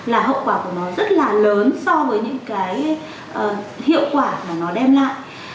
là hậu quả của nó rất là lớn so với những cái hiệu quả mà nó đem lại